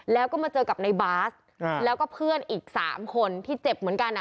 แล้วก็มาเจอกับในบาสแล้วก็เพื่อนอีก๓คนที่เจ็บเหมือนกัน